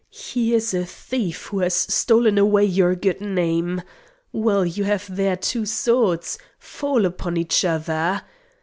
He is a thief who has stolen away your good name. Well, you have there two swords. Fall upon each other!'